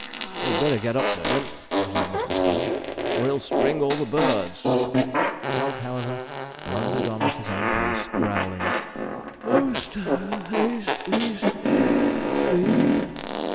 'You'd better get up to him,' observed Mr. Sponge, 'or he'll spring all the birds.' Jog, however, blundered on at his own pace, growling: 'Most (puff) haste, least (wheeze) speed.'